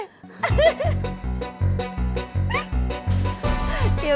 jalannya cepat amat